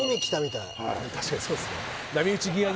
確かにそうっすね